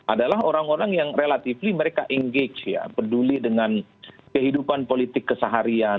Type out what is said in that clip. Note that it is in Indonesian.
adalah orang orang yang relatively mereka engage ya peduli dengan kehidupan politik keseharian